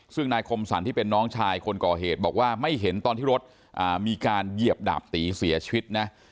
ซึ่งนายคมสรรที่เป็นน้องชายคนก่อเหตุบอกว่าไม่เห็นตอนที่รถมีการเหยียบดาบตีเสียชีวิตนะ